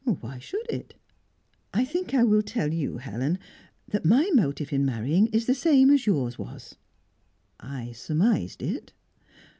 "Why should it?" "I think I will tell you, Helen, that my motive in marrying is the same as yours was." "I surmised it."